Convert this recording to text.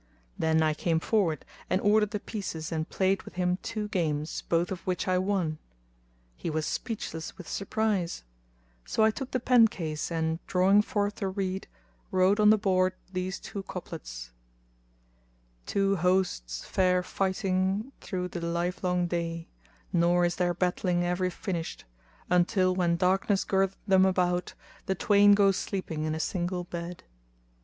Then I came forward and ordered the pieces and played with him two games, both of which I won. He was speechless with surprise; so I took the pen case and, drawing forth a reed, wrote on the board these two couplets:— Two hosts fare fighting thro' the livelong day * Nor is their battling ever finished, Until, when darkness girdeth them about, * The twain go sleeping in a single bed.